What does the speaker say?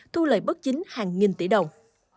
thu lợi bất chính hàng nghìn tỷ đồng